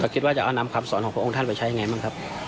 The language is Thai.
คิดว่าจะเอานำคำสอนของพระองค์ท่านไปใช้ยังไงบ้างครับ